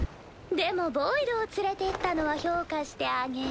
でもボイドを連れてったのは評価してあげる。